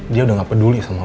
dia udah gak peduli sama lo sa